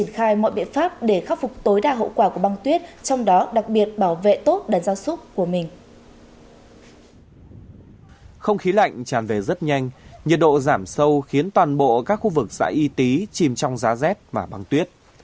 không khí lạnh tràn về rất nhanh nhiệt độ giảm sâu khiến toàn bộ các khu vực xã y tý chìm trong giá rét và băng tuyết